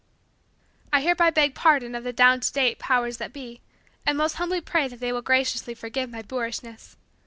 I hereby beg pardon of the down to date powers that be, and most humbly pray that they will graciously forgive my boorishness.